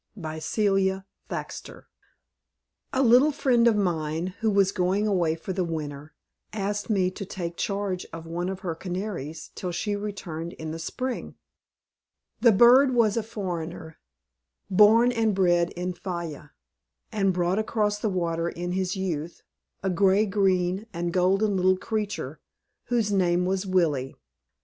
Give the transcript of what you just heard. By Celia Thaxter A little friend of mine, who was going away for the winter, asked me to take charge of one of her canaries till she returned in the spring. The bird was a foreigner, born and bred in Fayal, and brought across the water in his youth, a gray green and golden little creature, whose name was Willie.